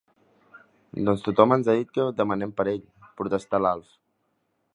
Doncs tothom ens ha dit que demanem per ell —protestà l'Alf.